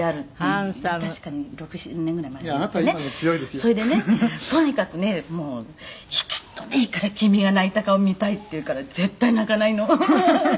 「それでねとにかくね“一度でいいから君が泣いた顔見たい”って言うから絶対泣かないの」「ハハハハ」